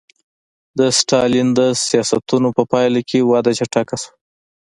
د ستالین د سیاستونو په پایله کې وده چټکه شوه